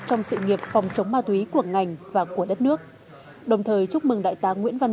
trong sự nghiệp phòng chống ma túy của ngành và của đất nước đồng thời chúc mừng đại tá nguyễn văn